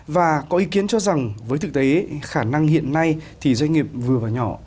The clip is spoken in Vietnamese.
và có ý kiến cho rằng với thực tế khả năng hiện nay thì doanh nghiệp vừa và nhỏ